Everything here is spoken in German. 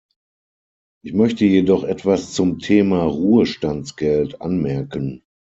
Ich möchte jedoch etwas zum Thema Ruhestandsgeld anmerken.